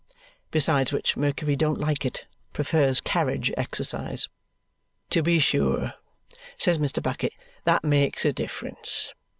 Besides which, Mercury don't like it. Prefers carriage exercise. "To be sure," says Mr. Bucket. "That makes a difference.